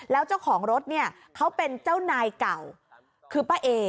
แล้วเจ้าของรถเนี่ยเขาเป็นเจ้านายเก่าคือป้าเอ